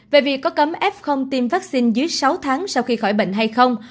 về việc có cấm f tiêm vaccine dưới sáu tháng sau khi khỏi bệnh hay không